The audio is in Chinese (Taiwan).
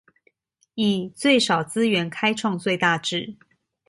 以最少資源開創最大志